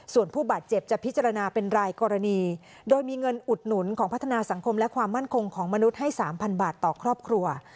ส่วนผู้บาดเจ็บจะพิจารณาเป็นรายกรณีโดยมีเงินอุดหนุนของพัฒนาสังคมและความมั่นคงของมนุษย์ให้๓๐๐บาทต่อครอบครัว